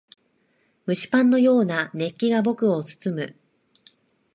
蒸しパンのような熱気が僕を包む。